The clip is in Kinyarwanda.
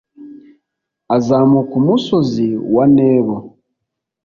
azamuka umusozi wa nebo